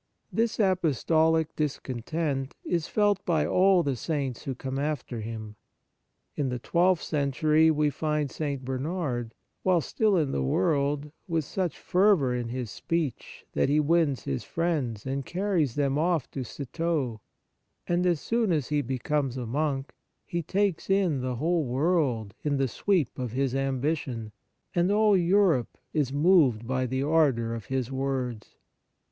This apostolic discontent is felt by all the Saints who come after him. In the twelfth century we find St. Bernard, while still in the world, with such fervour in his speech that he wins his friends and carries them off to Citeaux : and as soon as he becomes a monk, he takes in the whole world in the sweep of his ambition, and all Europe is moved by the ardour of his words.